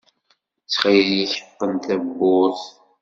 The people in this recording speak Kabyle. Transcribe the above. Txil-k qqen tawwurt!